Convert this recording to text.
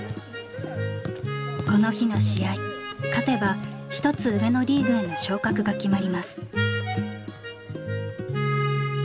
この日の試合勝てば一つ上のリーグへの昇格が決まります。